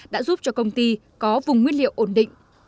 đã giúp cho công ty có vùng nguyên liệu ổn định